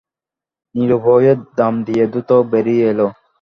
নীলু বইয়ের দাম দিয়ে দ্রুত বেরিয়ে এল।